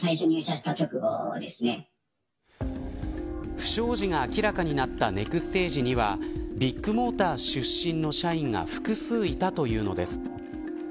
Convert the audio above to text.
不祥事が明らかになったネクステージにはビッグモーター出身の社員が複数いたというのです。